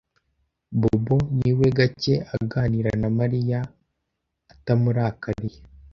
Bob ni gake aganira na Maria atamurakariye.